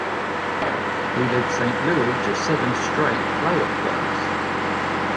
He led Saint Louis to seven straight playoff berths.